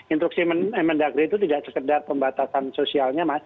instruksi mendagri itu tidak sekedar pembatasan sosialnya mas